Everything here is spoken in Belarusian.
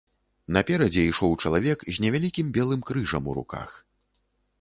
Наперадзе ішоў чалавек з невялікім белым крыжам у руках.